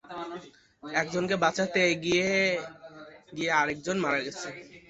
একজনকে বাঁচাতে এগিয়ে গিয়ে আরেকজন মারা গেছেন।